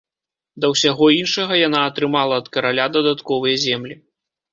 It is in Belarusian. Да ўсяго іншага, яна атрымала ад караля дадатковыя землі.